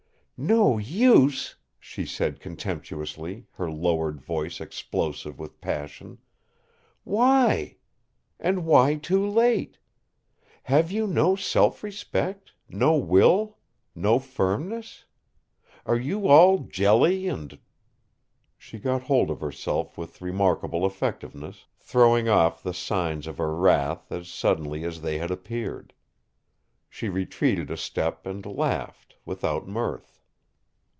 "No use!" she said contemptuously, her lowered voice explosive with passion. "Why? And why too late? Have you no self respect, no will, no firmness? Are you all jelly and " She got hold of herself with remarkable effectiveness, throwing off the signs of her wrath as suddenly as they had appeared. She retreated a step and laughed, without mirth.